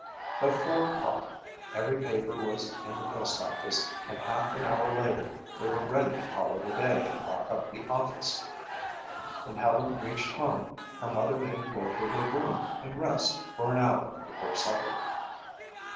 By four o'clock every paper was in the postoffice and half an hour later they were ready to call it a day and lock up the office. When Helen reached home her mother made her go to her room and rest for an hour before supper.